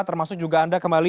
termasuk juga anda kembali